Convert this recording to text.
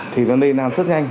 thì nó nây nan rất nhanh